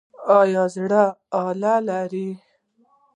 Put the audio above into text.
ایا د زړه آله لرئ؟